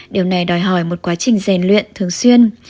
điều này đòi hỏi một quá trình rèn luyện thường xuyên